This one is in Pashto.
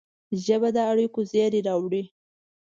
ژبه د اړیکو زېری راوړي